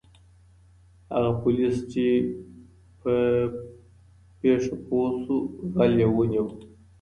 هغه پولیس چي په پېښه پوه سو غل یې ونیو.